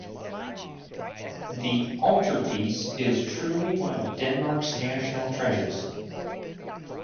The altarpiece is truly one of Denmark's national treasures.